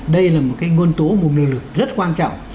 đây là một cái nguồn tố một lực lượng rất quan trọng